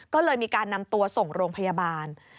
ก็เลยมีการนำตัวส่งโรงพยาบาล